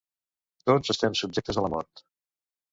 Tots estem subjectes a la mort.